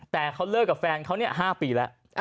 แต่เขาเลิกกับแฟนเขา๕ปีแล้ว